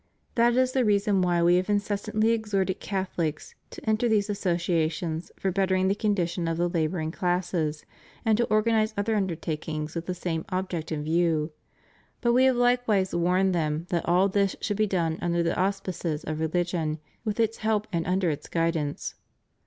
That is the reEison why We have incessantly exhorted Catholics to enter these associations for bettering the condition of the laboring classes, and to organize other undertakings with the same object in view; but We have likewise warned them that all this should be done under the auspices of religion, with its help and under its guidance.